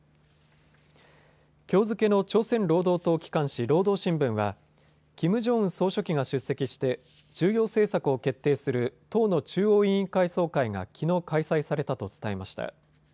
きょう付けの朝鮮労働党機関紙、労働新聞はキム・ジョンウン総書記が出席して重要政策を決定する党の中央委員会総会がきのう開催されたと伝えました。